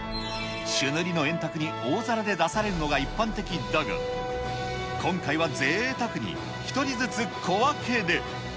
朱塗りの円卓に大皿で出されるのが一般的だが、今回はぜいたくに１人ずつ小分けで。